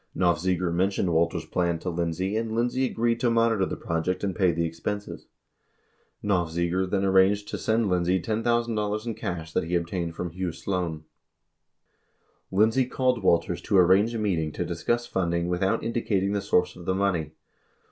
Nofziger mentioned Walters' plan to Lindsey and Lindsey agreed to monitor the project and pay the expenses. 75 Nofziger then arranged to send Lindsey $10,000 in cash that he obtained from Hugh Sloan. 76 Lindsey called Walters to arrange a meeting to discuss funding without indicating the source of the money.